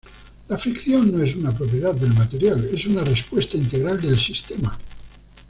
La fricción no es una propiedad del material, es una respuesta integral del sistema.